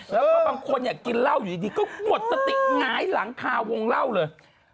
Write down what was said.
และบางคนกินเล่าอยู่ดีก็ปวดตะติง้ายหลังคาวงเล่าเลย